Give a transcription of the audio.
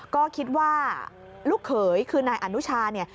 ก็คิดว่าลูกเขยคือนายอนุชาเนี่ย